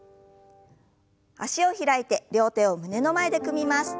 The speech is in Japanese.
脚を開いて両手を胸の前で組みます。